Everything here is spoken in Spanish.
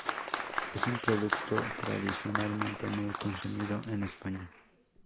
Es un producto tradicionalmente muy consumido en España.